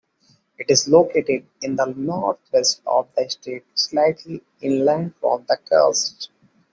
It is located in the north-west of the state, slightly inland from the coast.